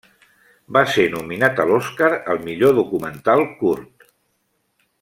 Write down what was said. Va ser nominat a l'Oscar al millor documental curt.